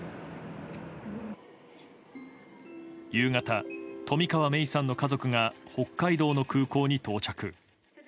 夕方、冨川芽生さんの家族が北海道の空港に到着。